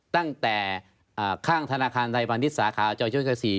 ตั้งแต่ข้างธนาคารไทยพาณิชย์สาขาจอยโชคชัย๔